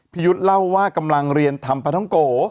ยุทธ์เล่าว่ากำลังเรียนทำปลาท้องโก